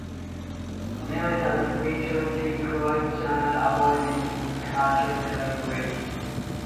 O'Neill subsequently "quits" to avoid making Carter feel guilty.